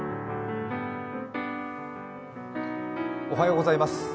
おはようございます。